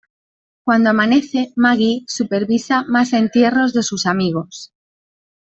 Cuando amanece, Maggie supervisa más entierros de sus amigos.